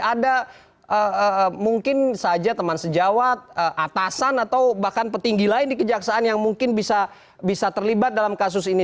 ada mungkin saja teman sejawat atasan atau bahkan petinggi lain di kejaksaan yang mungkin bisa terlibat dalam kasus ini